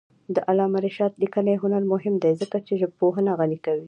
د علامه رشاد لیکنی هنر مهم دی ځکه چې ژبپوهنه غني کوي.